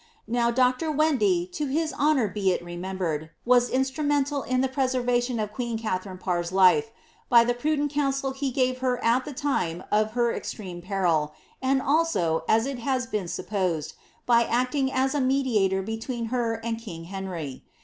Now, Dr. Wendy, to his honour be it remembered, was instrumental in the preservation of queen Katharine Parr's life, by the prudent counsel he gave her at the time of her ex treme peril, and also, as it has been supposed, by acting as a mediator between her and king Henry.'